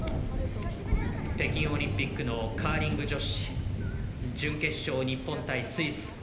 北京オリンピックのカーリング女子準決勝、日本対スイス。